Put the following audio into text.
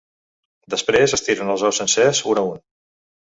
Després es tiren els ous sencers, un a un.